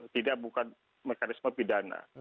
tidak bukan mekanisme pidana